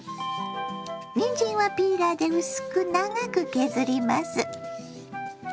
にんじんはピーラーで薄く長く削ります。